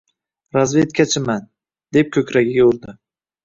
— Razvedkachiman, deb ko‘kragiga urdi.